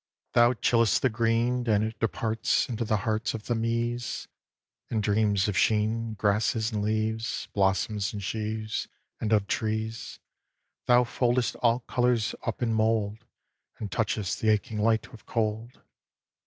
Thou chillest the green, And it departs Into the hearts Of the meas, And dreams of sheen, Grasses and leaves, Blossoms and sheaves, And of trees; Thou foldest all colours up in mould, And touchest the aching light with cold.